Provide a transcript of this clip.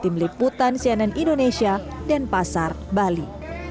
tim liputan cnn indonesia dan pasar bali